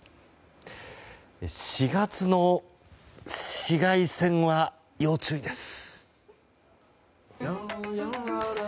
４月の紫外線は要注意です。